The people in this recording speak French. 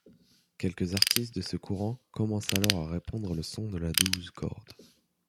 Quelques artistes de ce courant commencent alors à répandre le son de la douze-cordes.